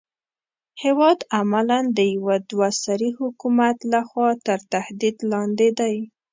هېواد عملاً د يوه دوه سري حکومت لخوا تر تهدید لاندې دی.